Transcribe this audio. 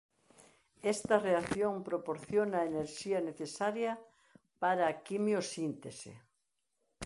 Esta reacción proporciona a enerxía necesaria para a quimiosíntese.